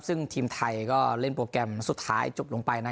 ซึ่งทีมไทยก็เล่นโปรแกรมสุดท้ายจบลงไป